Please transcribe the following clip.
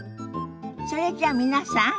それじゃあ皆さん